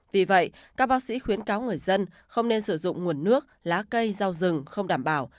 vì vậy các bác sĩ khuyến cáo người dân không nên sử dụng nguồn nước lá cây rau rừng không đảm bảo